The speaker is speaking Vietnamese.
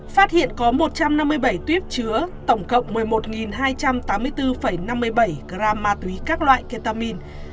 phát hiện có một trăm năm mươi bảy tuyếp chứa tổng cộng một mươi một hai trăm tám mươi bốn năm mươi bảy gram ma túy các loại ketamin